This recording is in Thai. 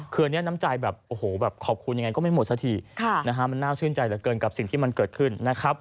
คืออันนี้น้ำใจขอบคุณยังไงก็ไม่หมดสักทีมันน่าชื่นใจเหลือเกินกับสิ่งที่มันเกิดขึ้น